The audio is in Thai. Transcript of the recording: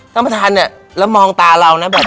ท่านประธานเนี่ยแล้วมองตาเรานะแบบ